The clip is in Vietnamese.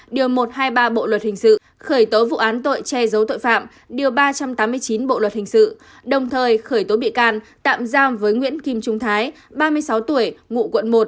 điều một trăm hai mươi ba bộ luật hình sự khởi tố vụ án tội che giấu tội phạm điều ba trăm tám mươi chín bộ luật hình sự đồng thời khởi tố bị can tạm giam với nguyễn kim trung thái ba mươi sáu tuổi ngụ quận một